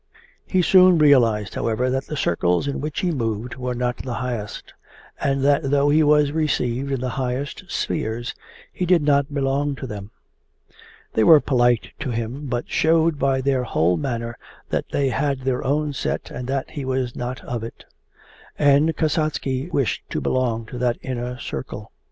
He soon realized, however, that the circles in which he moved were not the highest, and that though he was received in the highest spheres he did not belong to them. They were polite to him, but showed by their whole manner that they had their own set and that he was not of it. And Kasatsky wished to belong to that inner circle.